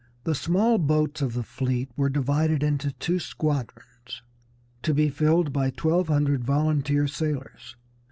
The small boats of the fleet were divided into two squadrons, to be filled by twelve hundred volunteer sailors.